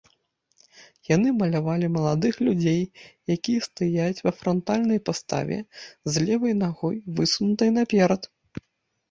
Яны малявалі маладых людзей, якія стаяць ва франтальнай паставе, з левай нагой, высунутай наперад.